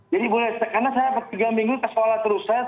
karena saya tiga minggu ke sekolah terus